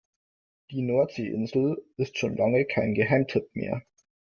Die Nordseeinsel ist schon lange kein Geheimtipp mehr.